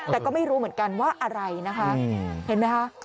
แต่ก็ไม่รู้เหมือนกันว่าอะไรนะคะ